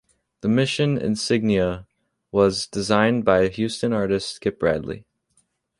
The mission insignia was designed by Houston artist Skip Bradley.